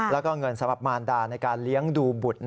แล้วก็เงินสำหรับมารดาในการเลี้ยงดูบุตร